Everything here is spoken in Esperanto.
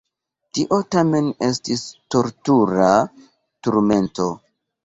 Tio tamen estis tortura turmento.